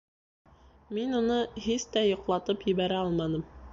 Мин уны һис тә йоҡлатып ебәрә алманым